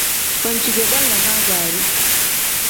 Banci ge banlanaa gaari.